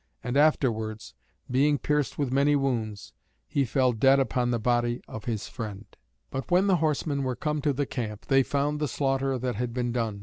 And afterwards, being pierced with many wounds, he fell dead upon the body of his friend. But when the horsemen were come to the camp, they found the slaughter that had been done.